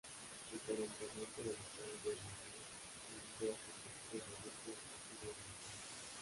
El calentamiento de la sal de amonio en hidrógeno se reduce a platino elemental.